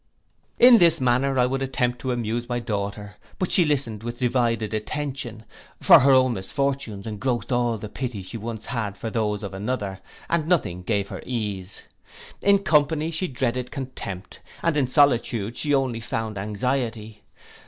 In this manner I would attempt to amuse my daughter; but she listened with divided attention; for her own misfortunes engrossed all the pity she once had for those of another, and nothing gave her ease. In company she dreaded contempt; and in solitude she only found anxiety.